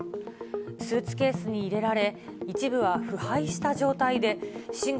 スーツケースに入れられ、一部は腐敗した状態で死後